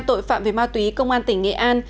tội phạm về ma túy công an tỉnh nghệ an